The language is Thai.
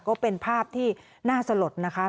ก็เป็นภาพที่น่าสลดนะคะ